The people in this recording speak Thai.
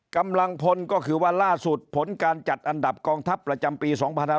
กำลังพลก็คือว่าล่าสุดผลการจัดอันดับกองทัพประจำปี๒๕๖๒